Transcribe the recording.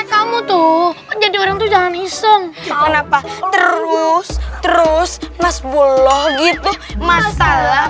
eh kamu tuh jadi orang tuh jangan iseng kenapa terus terus masbullah gitu masalah